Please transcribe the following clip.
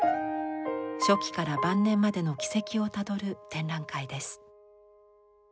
初期から晩年までの軌跡をたどる展覧会です。